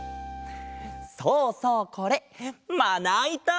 そうそうこれまないた！